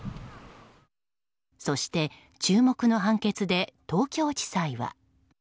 そして注目の判決で東京地裁は。